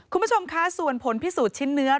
คุณผู้ชมคะส่วนผลพิสูจน์ชิ้นเนื้อ